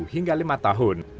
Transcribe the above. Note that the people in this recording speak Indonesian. satu hingga lima tahun